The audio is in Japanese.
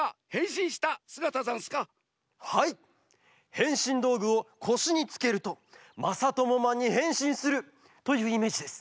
へんしんどうぐをこしにつけるとまさともマンにへんしんするというイメージです。